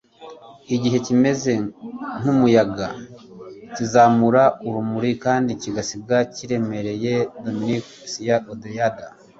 igihe kimeze nk'umuyaga, kizamura urumuri kandi kigasiga kiremereye. - dominico cieri estrada